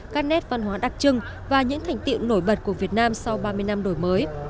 các nét văn hóa đặc trưng và những thành tiệu nổi bật của việt nam sau ba mươi năm đổi mới